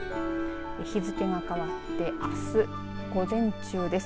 日付が変わって、あす午前中です。